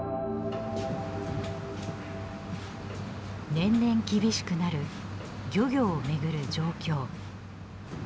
年々厳しくなる漁業をめぐる状況。